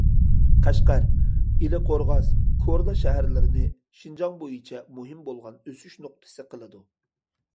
قەشقەر، ئىلى قورغاس، كورلا شەھەرلىرىنى شىنجاڭ بويىچە مۇھىم بولغان ئۆسۈش نۇقتىسى قىلىدۇ.